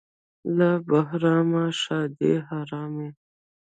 - له بهرامه ښادي حرامه.